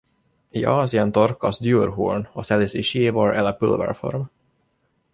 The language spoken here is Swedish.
I Asien torkas djurhorn och säljs i skivor eller pulverform.